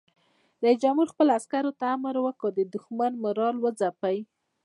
رئیس جمهور خپلو عسکرو ته امر وکړ؛ د دښمن مورال وځپئ!